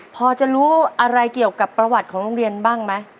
พอจะรู้อะไรเกี่ยวกับประวัติของโรงเรียนบ้างไหม